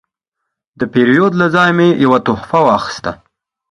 د پیرود له ځایه مې یو تحفه واخیسته.